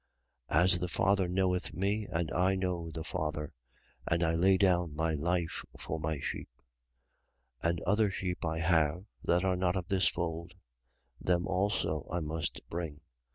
10:15. As the Father knoweth me, and I know the Father: and I lay down my life for my sheep. 10:16. And other sheep I have that are not of this fold: them also I must bring.